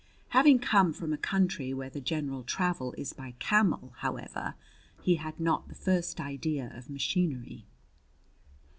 Having come from a country where the general travel is by camel, however, he had not the first idea of machinery.